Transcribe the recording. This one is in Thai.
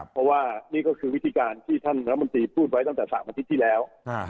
เพราะว่านี่ก็คือวิธีการที่ท่านรัฐมนตรีพูดไว้ตั้งแต่๓อาทิตย์ที่แล้ว